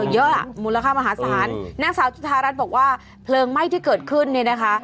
เยอะมูลค่ามหาศาลนักศึกษารักษณ์บอกว่าเพลงไหม้ที่เกิดขึ้นเนี่ยนะคะ